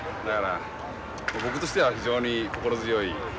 だから僕としては非常に心強い。